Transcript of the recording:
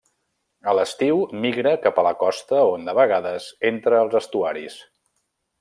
A l'estiu migra cap a la costa on, de vegades, entra als estuaris.